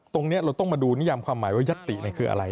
ตรงนี้เราต้องมาดูนิยามความหมายว่ายัตติคืออะไร